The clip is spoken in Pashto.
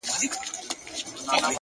• که غوایی دي که وزې پکښی ایله دي ,